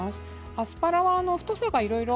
アスパラは太さがいろいろ。